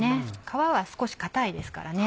皮は少し硬いですからね。